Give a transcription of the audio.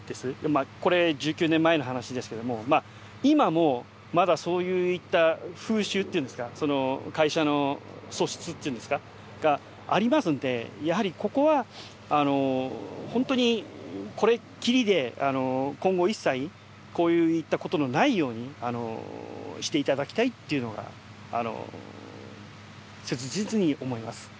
まあこれ１９年前の話ですけども今もまだそういった風習っていうんですか会社の素質っていうんですかがありますのでやはりここは本当にこれっきりで今後一切こういったことのないようにしていただきたいっていうのが切実に思います。